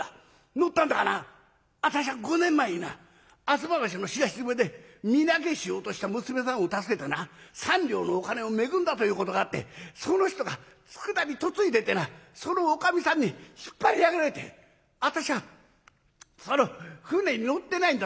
乗ったんだがな私は５年前にな吾妻橋の東詰で身投げしようとした娘さんを助けてな３両のお金を恵んだということがあってその人が佃に嫁いでてなそのおかみさんに引っ張り上げられて私はその舟に乗ってないんだ。